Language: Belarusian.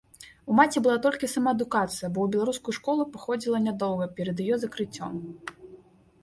У маці была толькі самаадукацыя, бо ў беларускую школу пахадзіла нядоўга перад яе закрыццём.